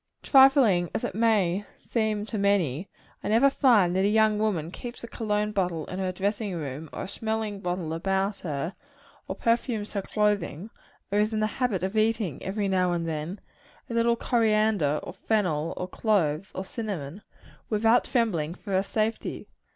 Trifling as it may seem to many, I never find that a young woman keeps a cologne bottle in her dressing room, or a smelling bottle about her or perfumes her clothes or is in the habit of eating, every now and then, a little coriander, or fennel, or cloves, or cinnamon without trembling for her safety.